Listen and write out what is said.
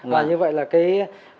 và như vậy là cái